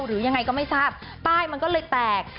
หรือยังไงก็ไม่ทราบป้ายมันก็เลยแตก